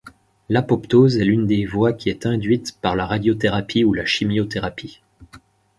L’apoptose est l’une des voies qui est induite par la radiothérapie ou la chimiothérapie.